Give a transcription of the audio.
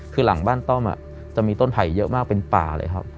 คือหลังบ้านต้อมจะมีต้นไผ่เยอะมากเป็นป่าเลยครับ